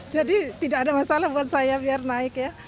jadi tidak ada masalah buat saya biar naik ya